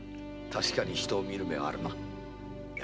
確かに人を見る目があるな。